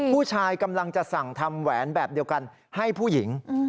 ผู้ชายกำลังจะสั่งทำแหวนแบบเดียวกันให้ผู้หญิง